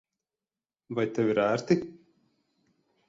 Vai tev ir ērti?